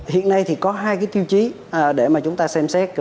hiện nay thì có hai tiêu chí để chúng ta xem xét